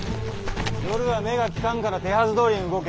夜は目が利かんから手はずどおりに動け。